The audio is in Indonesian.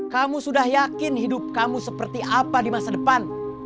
kamu sudah yakin hidup kamu seperti apa di masa depan